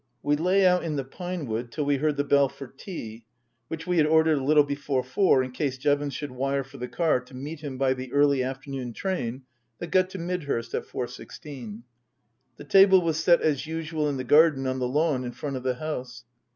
We lay out in the pine wood till we heard the bell for tea, which we had ordered a little before four, in case Jevons should wire for the car to meet him by the early afternoon train that got to Midhurst at four sixteen. The table was set as usual in the garden on the lawn in front of the house.